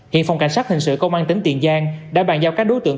hiện phòng cảnh sát hình sự công an tỉnh tiền giang đã bàn giao các đối tượng